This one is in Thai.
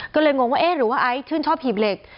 ก็เลยงงว่าเอ๊ะหรือว่าไอซ์ชื่นชอบหีบเหล็ก